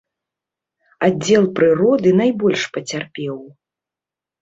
Аддзел прыроды найбольш пацярпеў.